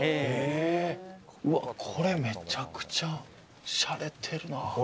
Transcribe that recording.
これめちゃくちゃしゃれてるな。